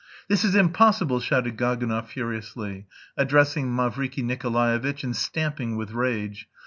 "This is impossible," shouted Gaganov furiously, addressing Mavriky Nikolaevitch, and stamping with rage.